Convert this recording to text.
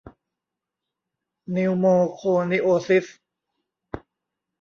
นิวโมโคนิโอซิส